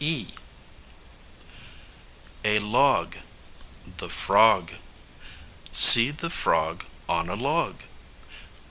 ] a log the frog See the frog on a log.